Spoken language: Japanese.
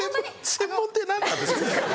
専門って何なんですか？